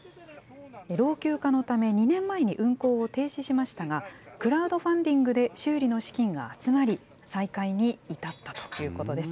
老朽化のため、２年前に運行を停止しましたが、クラウドファンディングで修理の資金が集まり、再開に至ったということです。